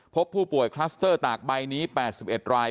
พบผู้ป่วยคลัสเตอร์ตากใบนี้๘๑ราย